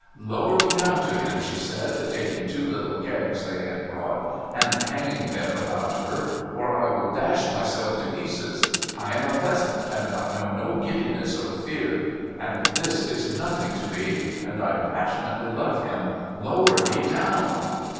' Lower me down to him,' she said, taking two little kegs they had brought, and hanging them about her, ' or I will dash myself to pieces ! I am a peasant, and I know no giddiness or fear ; and this is nothing to me, and I passionately love him. Lower me down